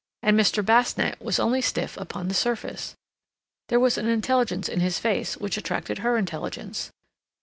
And Mr. Basnett was only stiff upon the surface; there was an intelligence in his face which attracted her intelligence.